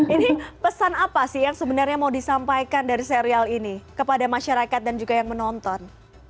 ini pesan apa sih yang sebenarnya mau disampaikan dari serial ini kepada masyarakat dan juga yang menonton